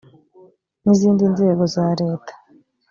n izindi nzego za leta